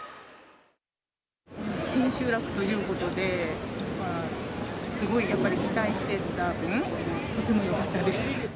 千秋楽ということで、すごいやっぱり期待してた分、とてもよかったです。